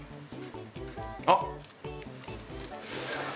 あっ！